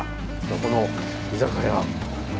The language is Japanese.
この居酒屋。